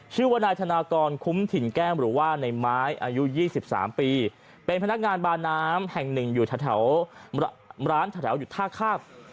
ชื่อว่านายธนากรคุ้มถิ่นแก้มหรือว่าในไม้อายุ๒๓ปีเป็นพนักงานบาน้ำแห่งหนึ่งอยู่แถวร้านแถวอยู่ท่าคาบ